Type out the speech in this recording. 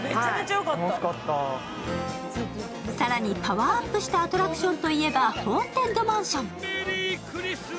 更にパワーアップしたアトラクションといえばホーンテッドマンション。